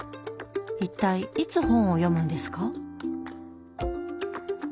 一体いつ本を読むんですか？